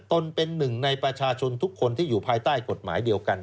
ตนเป็นหนึ่งในประชาชนทุกคนที่อยู่ภายใต้กฎหมายเดียวกัน